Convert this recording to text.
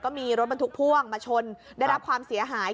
ก็มีรถบรรทุกพ่วงมาชนได้รับความเสียหาย